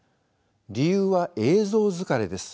理由は映像疲れです。